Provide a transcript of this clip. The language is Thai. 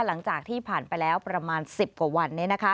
หลังจากที่ผ่านไปแล้วประมาณ๑๐กว่าวันเนี่ยนะคะ